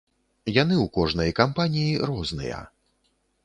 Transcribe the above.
Яны ў кожнай кампаніі розныя.